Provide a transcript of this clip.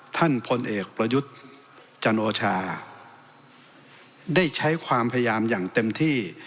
พลเอกประยุทธ์จันโอชาได้ใช้ความพยายามอย่างเต็มที่